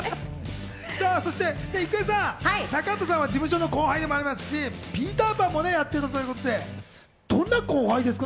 郁恵さん、高畑さんは事務所の後輩でもありますし、ピーターパンもやっていたということで、どんな後輩ですか？